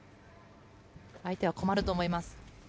相手は困ると思います。